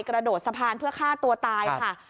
กระโดดสะพานเพื่อฆ่าตัวตายค่ะ